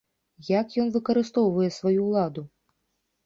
Як ён выкарыстоўвае сваю ўладу?